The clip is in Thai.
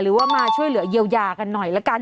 หรือว่ามาช่วยเหลือเยียวยากันหน่อยละกัน